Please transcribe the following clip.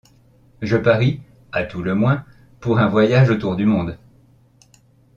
Je parie, à tout le moins, pour un voyage autour du monde...